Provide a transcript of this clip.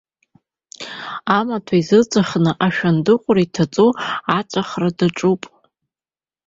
Амаҭәа изыҵәахны, ашәындыҟәра иҭаҵо, аҵәахра даҿуп.